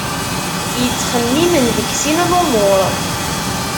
Yettxemmimen deg sin lumuṛ.